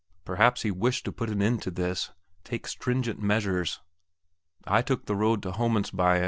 Perhaps he wished to put an end to this take stringent measures.... I took the road to Homandsbyen.